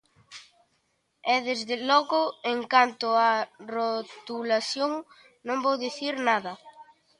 E, desde logo, en canto á rotulación non vou dicir nada.